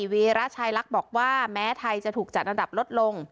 วีระชายลักษณ์บอกว่าแม้ไทยจะถูกจัดระดับลดลง